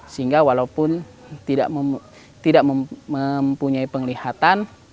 sehingga walaupun tidak mempunyai penglihatan